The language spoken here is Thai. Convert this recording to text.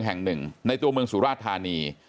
จังหวัดสุราชธานี